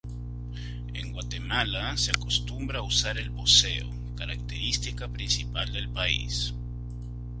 En Guatemala se acostumbra a usar el voseo, característica principal del país.